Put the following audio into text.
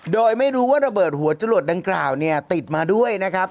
โดยไม่รู้ว่าระเบิดหัวจรวดดังกล่าวเนี่ยติดมาด้วยนะครับ